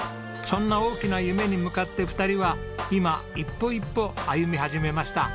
そんな大きな夢に向かって２人は今一歩一歩歩み始めました。